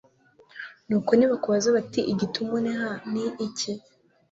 nuko nibakubaza bati igituma uniha ni iki